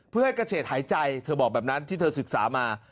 เพื่อให้กระเฉดหายใจเธอบอกแบบนั้นที่เธอศึกษามา